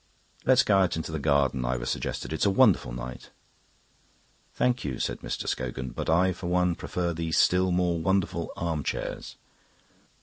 "Let's go out into the garden," Ivor suggested. "It's a wonderful night." "Thank you," said Mr. Scogan, "but I for one prefer these still more wonderful arm chairs."